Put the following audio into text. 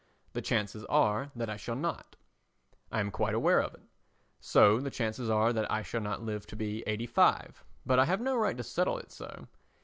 The chances are that I shall not. I am quite aware of it. So the chances are that I shall not live to be 85; but I have no right to settle it so.